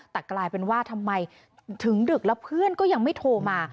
แต่กลายเป็นว่าทำไมถึงดึกแล้วเพื่อนก็ยังไม่โทรมา